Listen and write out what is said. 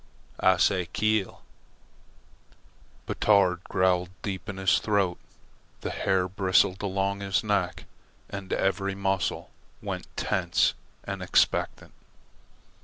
"Ah say 'keel'." Batard growled deep down in his throat, the hair bristled along his neck, and every muscle went tense and expectant.